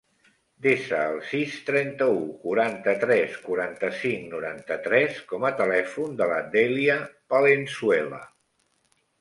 Desa el sis, trenta-u, quaranta-tres, quaranta-cinc, noranta-tres com a telèfon de la Dèlia Palenzuela.